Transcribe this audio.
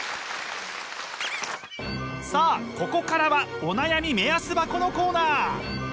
さあここからはお悩み目安箱のコーナー。